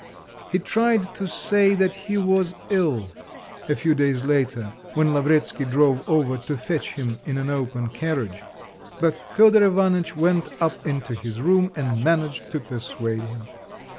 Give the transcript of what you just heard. He tried to say that he was ill, a few days later, when Lavretsky drove over to fetch him in an open carriage; but Fedor Ivanitch went up into his room and managed to persuade him.